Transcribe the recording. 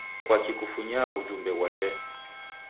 Kwaki kufunyaa w'ujumbe ghwa tee?